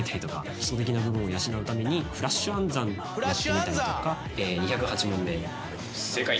基礎的な部分を養うためにフラッシュ暗算やってみたりとか。